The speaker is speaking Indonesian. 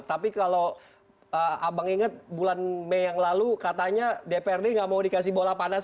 tapi kalau abang ingat bulan mei yang lalu katanya dprd nggak mau dikasih bola panas